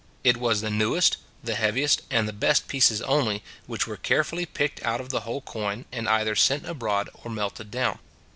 It was the newest, the heaviest, and the best pieces only, which were carefully picked out of the whole coin, and either sent abroad or melted down.